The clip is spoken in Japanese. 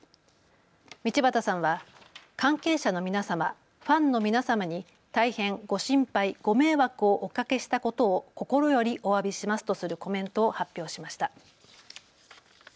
道端さんは関係者の皆様、ファンの皆様に大変ご心配、ご迷惑をおかけしたことを心よりおわびしますとするコメントを発表しました。